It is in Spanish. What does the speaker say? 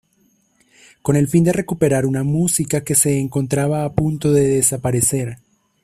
Con el fin de recuperar una música que se encontraba a punto de desaparecer.